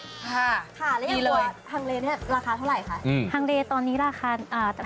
ค่ะแล้วยังไงฮังเลราคาเท่าไหร่คะ